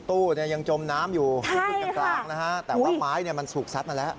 ตู้เนี่ยยังจมน้ำอยู่ขึ้นกลางนะฮะแต่ว่าไม้เนี่ยมันถูกซัดมาแล้ว